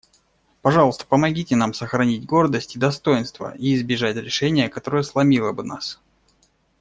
Пожалуйста, помогите нам сохранить гордость и достоинство и избежать решения, которое сломило бы нас.